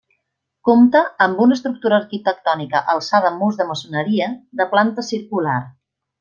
Compta amb una estructura arquitectònica alçada amb murs de maçoneria, de planta circular.